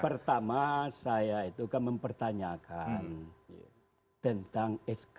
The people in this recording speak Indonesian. pertama saya itu kan mempertanyakan tentang sk